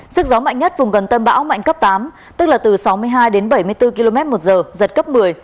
sức gió mạnh nhất vùng gần tâm bão mạnh cấp tám tức là từ sáu mươi hai đến bảy mươi bốn km một giờ giật cấp một mươi